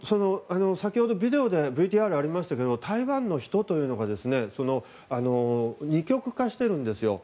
先ほど、ビデオでＶＴＲ、ありましたが台湾の人というのが二極化しているんですよ。